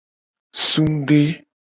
Sungde.